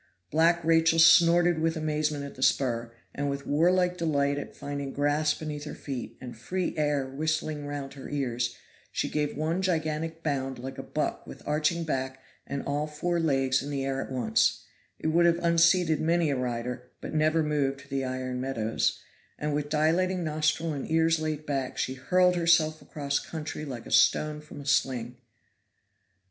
Black Rachel snorted with amazement at the spur, and with warlike delight at finding grass beneath her feet and free air whistling round her ears, she gave one gigantic bound like a buck with arching back and all four legs in the air at once (it would have unseated many a rider but never moved the iron Meadows), and with dilating nostril and ears laid back she hurled herself across country like a stone from a sling.